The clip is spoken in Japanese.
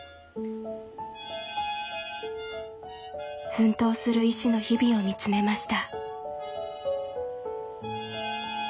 奮闘する医師の日々を見つめました。